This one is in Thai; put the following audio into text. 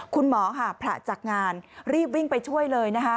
คุณหมอค่ะผละจากงานรีบวิ่งไปช่วยเลยนะคะ